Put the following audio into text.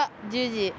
１０時。